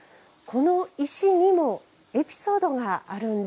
この石にもエピソードがあるんですよね？